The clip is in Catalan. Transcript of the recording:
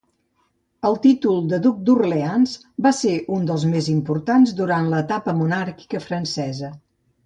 El títol de duc d'Orleans va ser un dels més importants durant l'etapa monàrquica francesa.